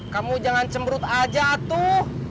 kamu jangan cembrut aja tuh